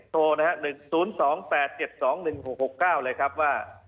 โทรนะฮะ๑๐๒๘๗๒๑๖๖๙เลยครับว่า